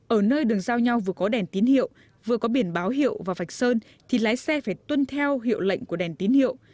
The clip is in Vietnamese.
ở nơi đường giao nhau vừa có đèn tín hiệu vừa có biển báo hiệu và vạch sơn thì lái xe phải tuân theo hiệu lệnh của đèn tín hiệu